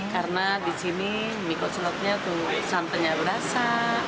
karena di sini mie kocoknya santannya berasa